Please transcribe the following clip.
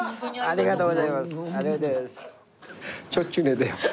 ありがとうございます。